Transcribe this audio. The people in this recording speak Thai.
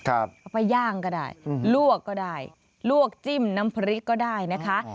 เอาไปย่างก็ได้ลวกก็ได้ลวกจิ้มน้ำพริกก็ได้นะคะ